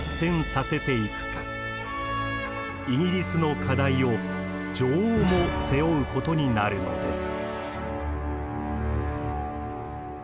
イギリスの課題を女王も背負うことになるのです。